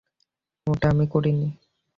ওটা আমি করিনি!